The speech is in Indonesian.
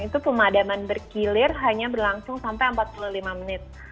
itu pemadaman berkilir hanya berlangsung sampai empat puluh lima menit